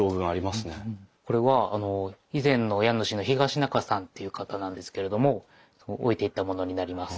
これは以前の家主の東仲さんっていう方なんですけれども置いていったものになります。